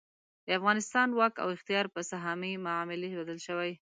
د افغانستان واک او اختیار په سهامي معاملې بدل شوی.